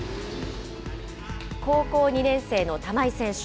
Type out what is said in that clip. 高校２年生の玉井選手。